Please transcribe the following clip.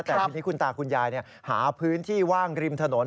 แต่ทีนี้คุณตาคุณยายหาพื้นที่ว่างริมถนน